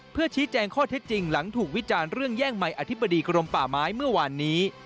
เพื่อชี้แจงข้อเท็จจริงหลังถูกวิจารณ์เรื่องแย่งใหม่อธิบดีกรมป่าไม้เมื่อวานนี้